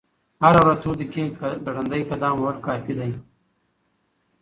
هره ورځ څو دقیقې ګړندی قدم وهل کافي دي.